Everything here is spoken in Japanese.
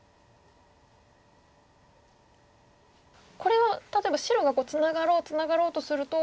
これは例えば白がツナがろうツナがろうとすると。